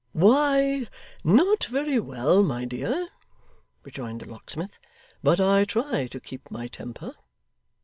'Why, not very well, my dear,' rejoined the locksmith, 'but I try to keep my temper.